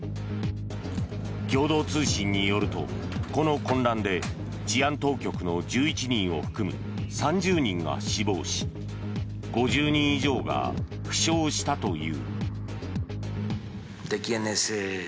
共同通信によるとこの混乱で治安当局の１１人を含む３０人が死亡し５０人以上が負傷したという。